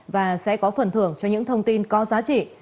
và sẽ có phần thưởng cho những thông tin có giá trị